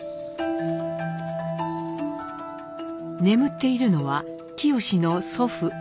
眠っているのは清の祖父